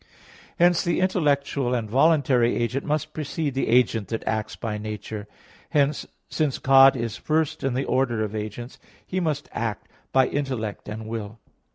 Hence the intellectual and voluntary agent must precede the agent that acts by nature. Hence, since God is first in the order of agents, He must act by intellect and will.